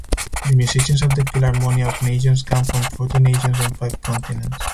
The musicians of the Philharmonia of Nations come from forty nations and five continents.